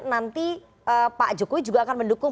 nanti pak jokowi juga akan mendukung